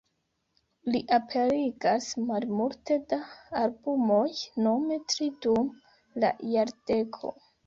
Li aperigas malmulte da albumoj, nome tri dum la jardeko.